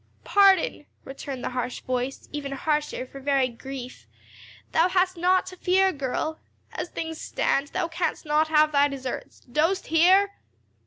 "Pardon!" returned the harsh voice, even harsher for very grief, "thou hast naught to fear, girl. As things stand, thou canst not have thy deserts. Dost hear?"